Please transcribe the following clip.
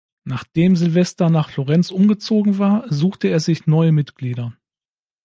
Nachdem Sylvester nach Florenz umgezogen war, suchte er sich neue Mitglieder.